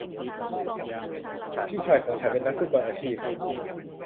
พี่ชายของฉันเป็นนักฟุตบอลอาชีพ